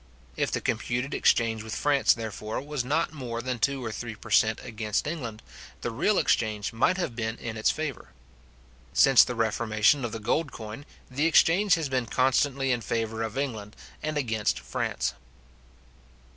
If the computed exchange with France, therefore, was not more than two or three per cent. against England, the real exchange might have been in its favour. Since the reformation of the gold coin, the exchange has been constantly in favour of England, and against France.